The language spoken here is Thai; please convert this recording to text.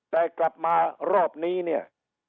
แต่กลับมารอบนี้เนี่ย